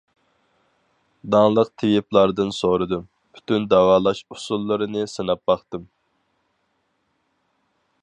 داڭلىق تېۋىپلاردىن سورىدىم، پۈتۈن داۋالاش ئۇسۇللىرىنى سىناپ باقتىم.